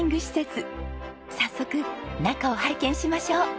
早速中を拝見しましょう！